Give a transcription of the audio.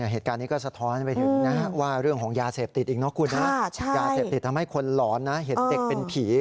เหตุการณ์นี้ก็สะท้อนไปถึง